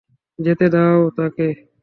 যেতে দাও তাকে।